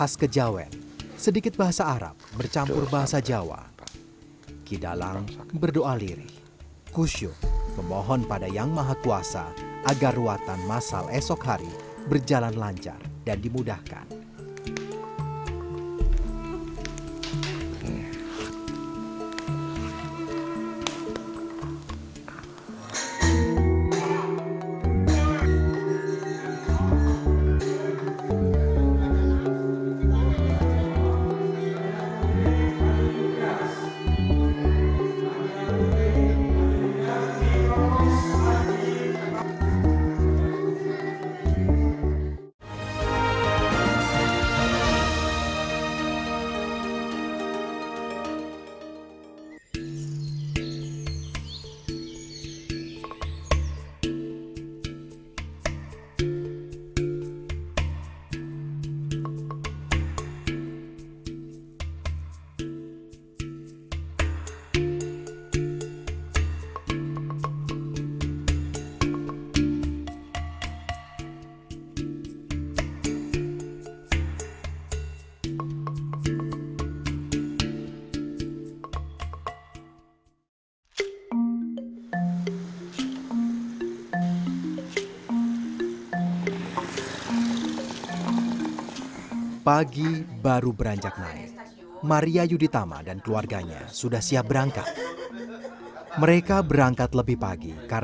sebelum semua sesajinya berakhir